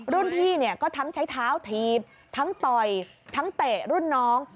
รุ่นพี่เนี่ยก็ทั้งใช้เท้าถีบทั้งต่อยทั้งเตะรุ่นน้อง